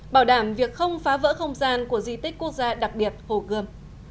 bảo đảm việc không phá vỡ không gian của di tích quốc gia đặc biệt hồ gươm